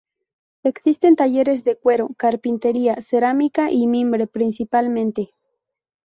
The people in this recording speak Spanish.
Existen talleres de cuero, carpintería, cerámica y mimbre, principalmente.